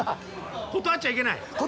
断っちゃいけない？